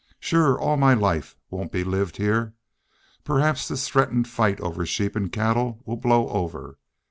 Shore all my life won't be lived heah. Perhaps this threatened fight over sheep and cattle will blow over....